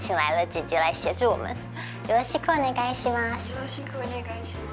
よろしくお願いします。